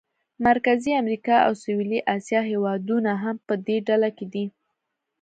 مرکزي امریکا او سویلي اسیا هېوادونه هم په دې ډله کې دي.